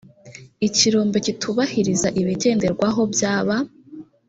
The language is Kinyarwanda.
ikirombe kitubahiriza ibigenderwaho byaba